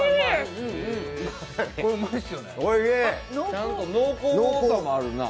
ちゃんと濃厚さもあるな。